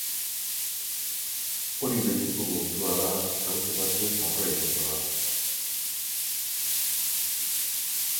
Hori betiko kontua da eta urte batzuez horrela izango da.